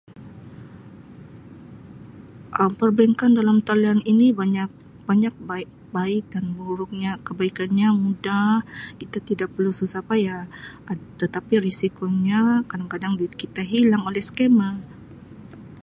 "Um Perbankan dalam talian ini banyak banyak baik baik dan buruknya kebaikanya mudah kita tidak perlu susah payah tetapi risikonya kadang-kadang duit kita hilang oleh ""Scammer""."